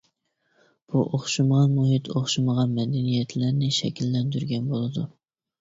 بۇ ئوخشىمىغان مۇھىت ئوخشىمىغان مەدەنىيەتلەرنى شەكىللەندۈرگەن بولىدۇ.